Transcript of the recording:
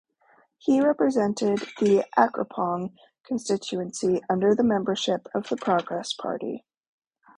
He represented the Akropong constituency under the membership of the Progress Party.